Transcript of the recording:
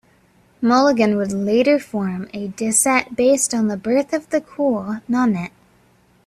Mulligan would later form a decet based on the "Birth of the Cool" nonet.